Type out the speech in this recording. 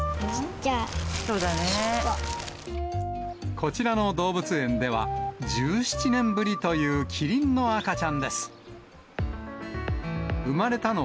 こちらの動物園では、１７年ぶりというキリンの赤ちゃんです。